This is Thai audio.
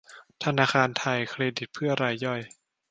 ธนาคารไทยเครดิตเพื่อรายย่อย